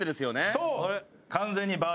そう。